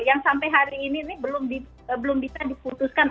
yang sampai hari ini belum bisa diputuskan